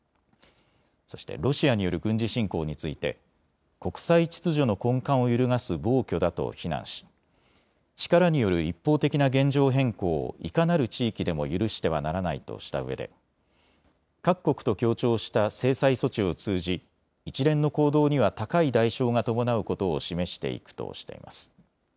そしてロシアによる軍事侵攻について国際秩序の根幹を揺るがす暴挙だと非難し力による一方的な現状変更をいかなる地域でも許してはならないとしたうえで各国と協調した制裁措置を通じ一連の行動には高い代償が伴うことを示していくとしています。